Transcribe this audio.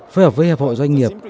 phối hợp với hợp hội doanh nghiệp